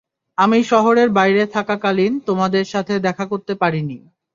আমি শহরের বাইরে থাকাকালীন তোমাদের সাথে দেখা করতে পারিনি।